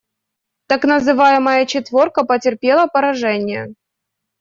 Так называемая «четверка» потерпела поражение.